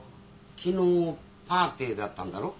昨日パーティーだったんだろう？